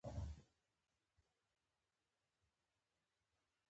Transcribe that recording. ځان ته ځیر اوسه